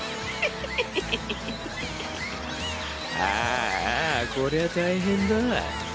あぁあこりゃ大変だ。